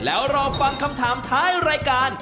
แล้วรอฟังคำถามท้ายรายการ